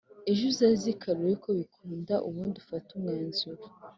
Ejo uzaze kare urebe ko bikunda ubundi ufate umwanzuro